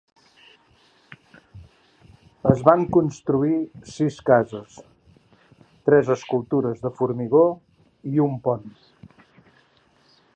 Es van construir sis cases, tres escultures de formigó i un pont.